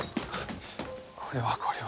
これはこれは。